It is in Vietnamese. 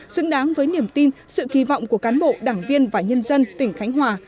xứng đáng với niềm tin sự kỳ vọng của cán bộ đảng viên và nhân dân tỉnh khánh hòa